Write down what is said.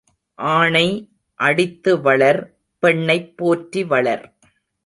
ஆணை அடித்து வளர் பெண்ணைப் போற்றி வளர்.